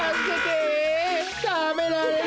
たべられる！